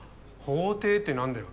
法廷って何だよ